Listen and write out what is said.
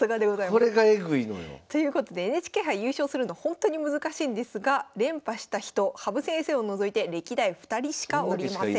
これがエグいのよ。ということでＮＨＫ杯優勝するのほんとに難しいんですが連覇した人羽生先生を除いて歴代２人しかおりません。